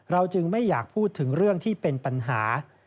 จึงไม่อยากพูดถึงเรื่องที่เป็นปัญหา